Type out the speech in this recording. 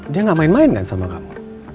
dia gak main main kan sama kamu